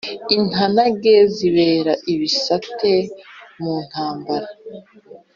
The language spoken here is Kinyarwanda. Intanage zibera ibisate mu ntambara